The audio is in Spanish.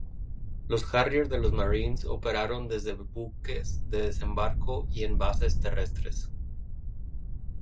Los Harrier de los Marines operaron desde buques de desembarco y en bases terrestres.